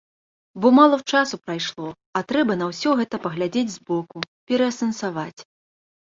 Бо мала часу прайшло, а трэба на ўсё гэта паглядзець з боку, пераасэнсаваць.